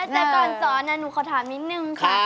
แต่ก่อนสอนหนูขอถามนิดนึงค่ะ